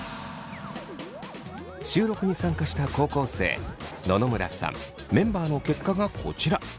収録に参加した高校生野々村さんメンバーの結果がこちら。